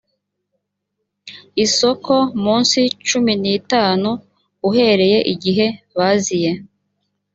isoko mu minsi cumi n itanu uhereye igihe baziye